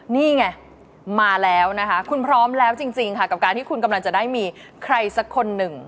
นี่ไงมาแล้วนะคะคุณพร้อมแล้วจริงค่ะกับการที่คุณกำลังจะได้มีใครสักคนหนึ่ง